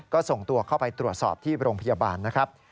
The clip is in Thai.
ก็ส่งตัวเข้าไปตรวจสอบที่โรงพยาบาลนะครับ